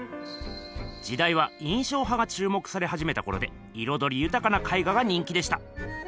じだいは印象派がちゅう目されはじめたころでいろどりゆたかな絵画が人気でした。